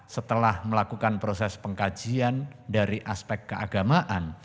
setelah melakukan proses pengkajian dari aspek keagamaan